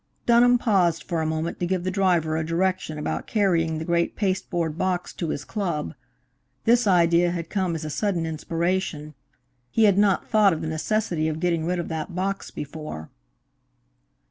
Dunham paused for a moment to give the driver a direction about carrying the great pasteboard box to his club. This idea had come as a sudden inspiration. He had not thought of, the necessity of getting rid of that box before.